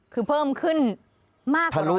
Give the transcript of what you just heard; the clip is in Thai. คือเพิ่มขึ้นมากกว่า๑๖๗เปอร์เซ็นต์